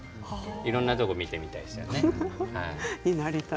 いろんなところを見てみたいですね。